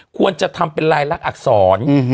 ควรจะทำเป็นลายลักษร